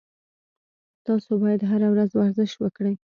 تاسو باید هر ورځ ورزش وکړئ